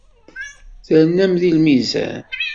Ternam deg lmizan.